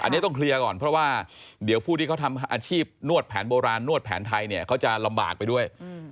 อันนี้ต้องเคลียร์ก่อนเพราะว่าเดี๋ยวผู้ที่เขาทำอาชีพนวดแผนโบราณนวดแผนไทยเนี่ยเขาจะลำบากไปด้วย